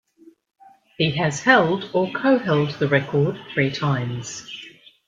He has held or co-held the record three times.